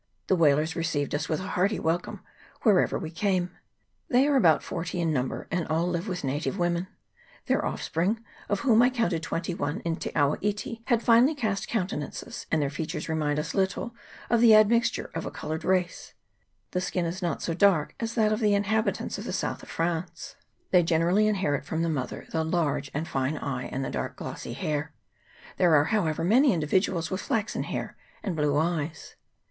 The whalers received us with a hearty welcome wherever we came. They are about forty in number, and all live with native women. Their offspring, of whom I counted twenty one in Te awa iti, have finely cast countenances, and their features remind us little of the admixture of a coloured race ; the skin is not so dark as that of the inhabitants of the south of France ; they generally inherit from the mother the large and fine eye and the dark glossy hair ; there are, however, many individuals with flaxen hair and blue eyes.